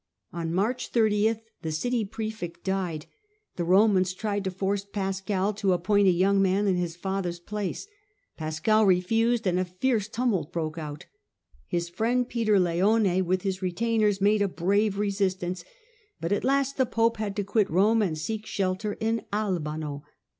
On March 30 the city prefect died; the Romans tried to force Pascal to appoint a young son in his ne quite father's placc J Pascal refused, and a fierce ^™® tumult broke out. His friend Peter Leone, with his retainers, made a brave resistance, but at last the pope had to quit Rome, and seek shelter in Albano.